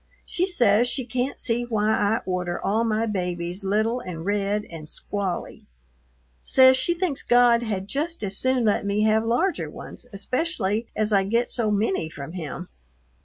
She says she can't see why I order all my babies little and red and squally, says she thinks God had just as soon let me have larger ones, especially as I get so many from him.